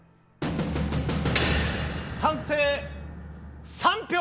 賛成３票。